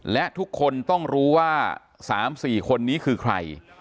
และทุกคนต้องรู้ว่า๓๔คนนี้คือใคร